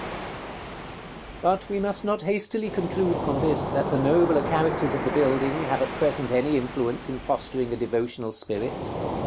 § XX. But we must not hastily conclude from this that the nobler characters of the building have at present any influence in fostering a devotional spirit.